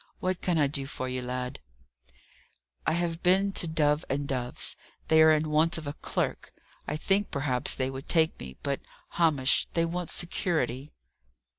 What can I do for you, lad?" "I have been to Dove and Dove's. They are in want of a clerk. I think perhaps they would take me; but, Hamish, they want security."